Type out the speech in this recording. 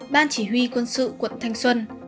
ban chỉ huy quân sự quận thanh xuân